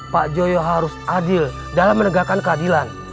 pak joyo harus adil dalam menegakkan keadilan